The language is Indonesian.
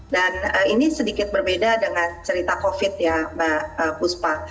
dan ini sedikit berbeda dengan cerita covid ya mbak buspa